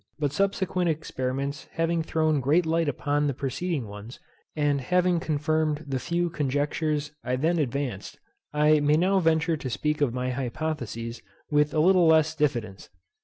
But subsequent experiments having thrown great light upon the preceding ones and having confirmed the few conjectures I then advanced, I may now venture to speak of my hypotheses with a little less diffidence.